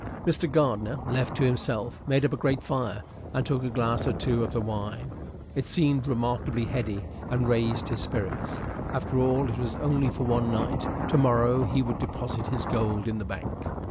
Mr. Gardiner, left to himself, made up a great fire and took a glass or two of the wine; it seemed remarkably heady and raised his spirits. After all, it was only for one night; to morrow he would deposit his gold in the bank.